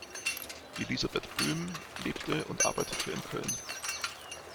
Elisabeth Böhm lebte und arbeitete in Köln.